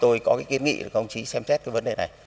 tôi có cái kiến nghị để các ông chí xem xét cái vấn đề này